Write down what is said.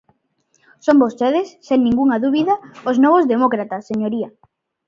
Son vostedes, sen ningunha dúbida, os novos demócratas, señoría.